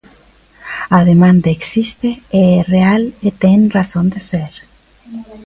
A demanda existe, é real e ten razón de ser.